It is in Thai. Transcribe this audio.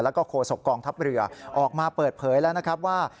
แล้วก็โฆษกองทัพเรือออกมาเปิดเผยแล้วนะครับว่า